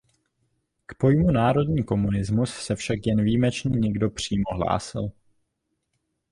K pojmu národní komunismus se však jen výjimečně někdo přímo hlásil.